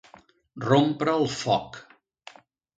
Rompre el foc.